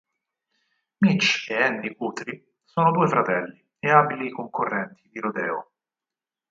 Mitch e Andy Guthrie sono due fratelli e abili concorrenti di rodeo.